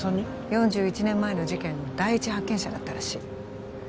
４１年前の事件の第一発見者だったらしい